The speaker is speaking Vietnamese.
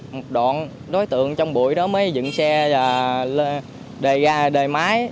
một đoạn đối tượng trong bụi đó mới dựng xe và đề máy